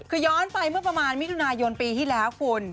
คือย้อนไปเมื่อประมาณมิถุนายนปีที่แล้วคุณ